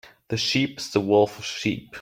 The sheep is the wolf of sheep.